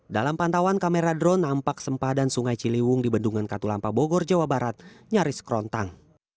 dalam pantauan kamera drone nampak sempadan sungai ciliwung di bendungan katulampa bogor jawa barat nyaris kerontang